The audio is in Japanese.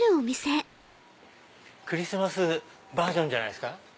クリスマスバージョンじゃないですか。